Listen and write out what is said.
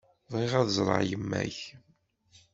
Bɣiɣ ad ẓreɣ yemma-k.